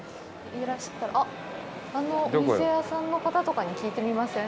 あっ、お店屋さんの方とかに聞いてみません？